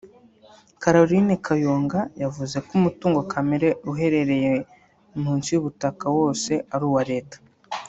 Caroline Kayonga yavuze ko umutungo kamere uherereye munsi y’ubutaka wose ari uwa Leta